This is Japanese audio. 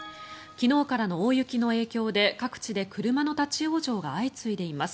昨日からの大雪の影響で各地で車の立ち往生が相次いでいます。